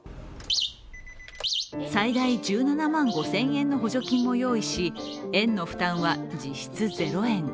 最大１７万５０００円の補助金を用意し園の負担は実質ゼロ円。